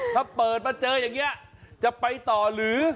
ถ้าเปิดมาเจออย่างนี้จะไปต่อหรือ